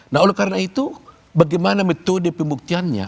nah oleh karena itu bagaimana metode pembuktiannya